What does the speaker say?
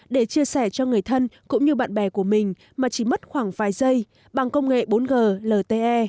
để chia sẻ cho người thân cũng như bạn bè của mình mà chỉ mất khoảng vài giây bằng công nghệ bốn g lte